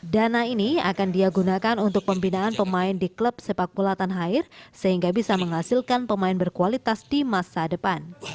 dana ini akan digunakan untuk pembinaan pemain di klub sepak bolatan hair sehingga bisa menghasilkan pemain berkualitas di masa depan